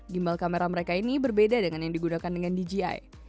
gimbal kamera mereka ini berbeda dengan yang digunakan dengan dji